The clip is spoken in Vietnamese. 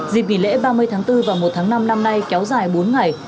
dịp nghỉ lễ ba mươi tháng bốn và một tháng năm năm nay kéo dài bốn ngày